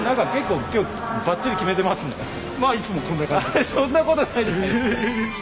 続いてはそんなことないじゃないですか！